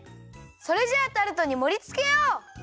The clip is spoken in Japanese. それじゃあタルトにもりつけよう！